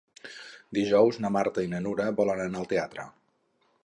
Dijous na Marta i na Nura volen anar al teatre.